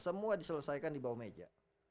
semua diselesaikan di bawah meja